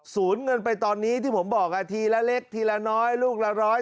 เงินไปตอนนี้ที่ผมบอกทีละเล็กทีละน้อยลูกละร้อย